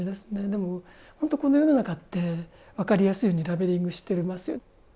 でも、本当この世の中って分かりやすいようにラベリングしてますよね。